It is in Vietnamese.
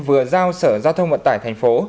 vừa giao sở giao thông vận tải thành phố